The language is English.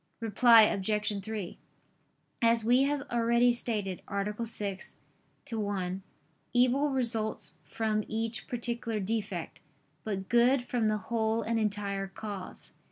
Reply Obj. 3: As we have already stated (A. 6, ad 1), "evil results from each particular defect, but good from the whole and entire cause."